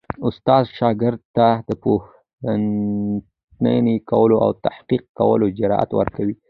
استاد شاګرد ته د پوښتنې کولو او تحقیق کولو جرئت ورکوي.